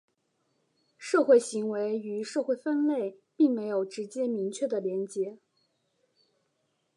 社会行为与社会分类并没有直接明确的连结。